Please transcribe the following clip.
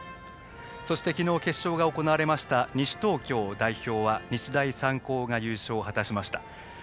昨日、決勝が行われました西東京代表は日大三高が優勝を果たしました。